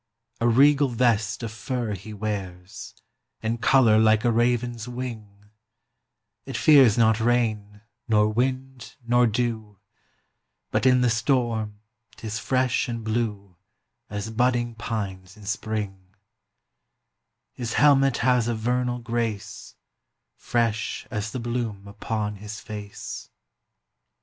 A regal vest of fur he wears, In colour like a raven's wing; It fears not rain, nor wind, nor dew; But in the storm 'tis fresh and blue 30 As budding pines in Spring; His helmet has a vernal grace, Fresh as the bloom upon his face.